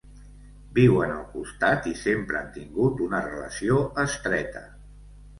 Viuen al costat i sempre han tingut una relació estreta.